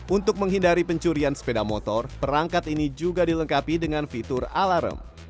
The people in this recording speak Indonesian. untuk menghindari pencurian sepeda motor perangkat ini juga dilengkapi dengan fitur alarm